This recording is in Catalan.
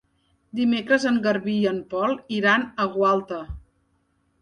Dimecres en Garbí i en Pol iran a Gualta.